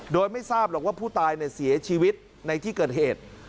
โดยไม่ทราบหรอกว่าผู้ตายเสียชีวิตในที่เกิดเหตุ